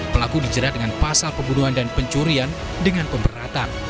pelaku dijerat dengan pasal pembunuhan dan pencurian dengan pemberatan